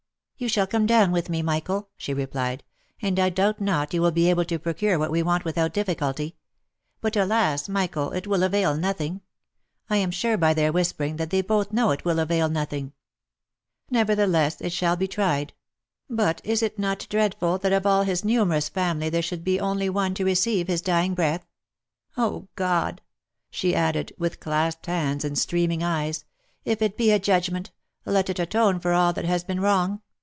" You shall come down with me, Michael," she replied, " and I doubt not you will be able to procure what we want without difficulty. But alas ! Michael, it will avail nothing— I am sure by their whisper ing, that they both know it will avail nothing ! Nevertheless it shall be tried. But is it not dreadful that of all his numerous family there should be only one to receive his dying breath ? O God !" she added with clasped hands and streaming eyes, i( if it be a judgment, let it atone for all that has been wrong